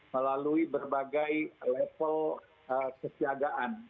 melalui berbagai level kesiagaan